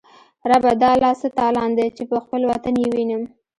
ربه دا لا څه تالان دی، چی به خپل وطن یې وینم